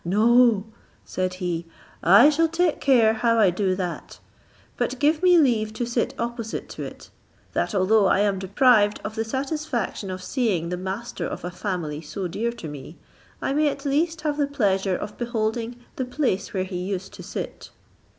"No," said he, "I shall take care how I do that; but give me leave to sit opposite to it, that although I am deprived of the satisfaction of seeing the master of a family so dear to me, I may at least have the pleasure of beholding the place where he used to sit."